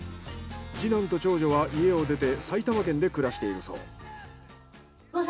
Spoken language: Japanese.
次男と長女は家を出て埼玉県で暮らしているそう。